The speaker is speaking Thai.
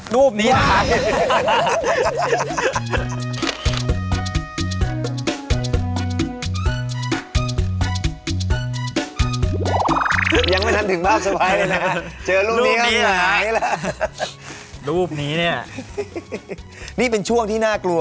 รูปต่อมาครับรูปนี้นะครับ